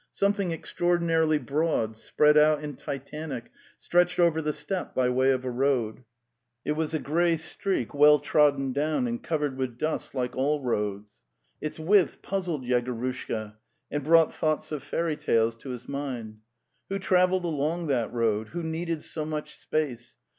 Something extraordinarily broad, spread out and titanic, stretched over the steppe by way of aroad. It was a grey streak well trodden down and covered with dust, like all roads. Its width puzzled Yegorushka and brought thoughts of fairy tales to his mind. Who travelled along that road? Who needed so much space?